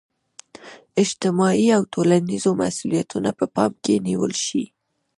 اجتماعي او ټولنیز مسولیتونه په پام کې نیول شي.